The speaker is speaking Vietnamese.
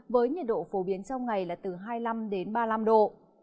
với nhiệt độ phổ biến trong ngày là từ hai mươi năm đến ba mươi năm độ